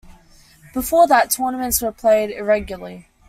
Before that, tournaments were played irregularly.